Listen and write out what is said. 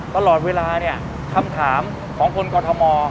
ตลอดเวลาเนี่ยคำถามของคนกรทม